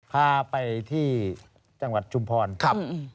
พาไปที่จังหวัดชุมพรครับ